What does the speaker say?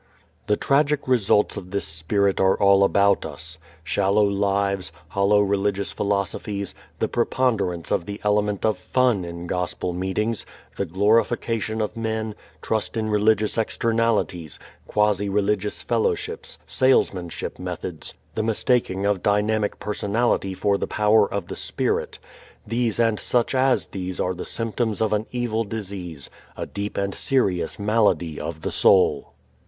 The tragic results of this spirit are all about us. Shallow lives, hollow religious philosophies, the preponderance of the element of fun in gospel meetings, the glorification of men, trust in religious externalities, quasi religious fellowships, salesmanship methods, the mistaking of dynamic personality for the power of the Spirit: these and such as these are the symptoms of an evil disease, a deep and serious malady of the soul.